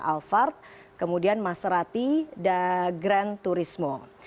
alphard kemudian maserati dan gran turismo